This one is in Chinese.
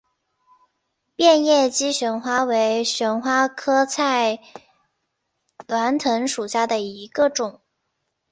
变叶姬旋花为旋花科菜栾藤属下的一个种。